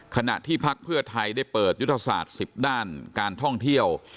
ขณะที่พักเพื่อไทยได้เปิดยุทธศาสตร์๑๐ด้านการท่องเที่ยว